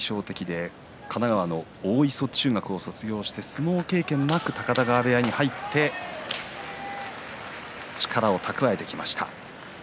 山と同じ２５歳ですが歩みは対照的で神奈川の大磯中学校を卒業して相撲経験なく高田川部屋に入って力を蓄えていきました。